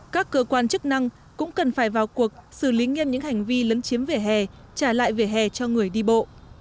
các cơ quan chức năng cũng cần phải vào cuộc xử lý nghiêm những hành vi lấn chiếm vỉa hè trả lại vỉa hè cho người đi bộ